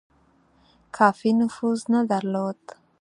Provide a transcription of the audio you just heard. کافي نفوذ نه درلود.